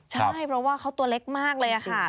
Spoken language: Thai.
ใช่เพราะว่าเขาตัวเล็กมากเลยค่ะ